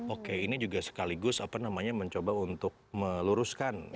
oke ini juga sekaligus apa namanya mencoba untuk meluruskan